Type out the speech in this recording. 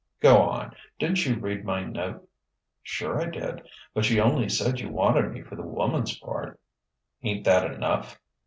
"Go on! Didn't you read my note?" "Sure I did; but you only said you wanted me for the woman's part." "Ain't that enough?"